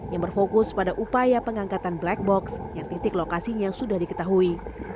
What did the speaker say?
yang berfokus pada upaya pengangkatan black box yang titik lokasinya sudah diketahui